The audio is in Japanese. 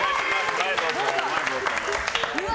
うわ！